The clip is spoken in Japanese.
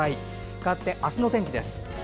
かわって、明日の天気です。